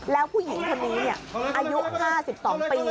แล้วผู้หญิงคนนี้อายุ๕๒ปี